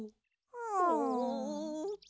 うん。